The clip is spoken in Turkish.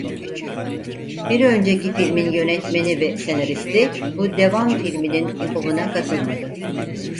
Bir önceki filmin yönetmeni ve senaristi bu devam filminin yapımına katılmadı.